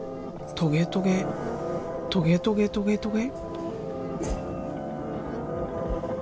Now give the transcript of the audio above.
トゲトゲトゲトゲトゲトゲ。